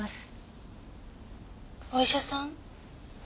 お医者さん？